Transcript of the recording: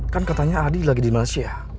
kan katanya adi lagi di malaysia